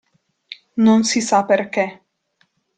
Non si sa perché.